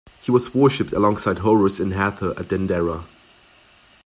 He was worshiped alongside Horus and Hathor at Dendera.